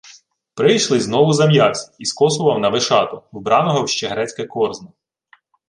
Прийшлий знову зам'явсь і скосував на Вишату, вбраного в ще грецьке корзно.